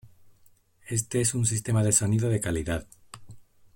Éste es un sistema de sonido de calidad.